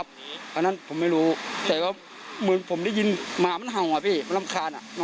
ตอนนั้นเราไม่รู้ว่าเขามาทะเลาะกัน